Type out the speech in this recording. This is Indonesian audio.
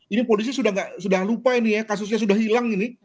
ini polisi sudah lupa ini ya kasusnya sudah hilang ini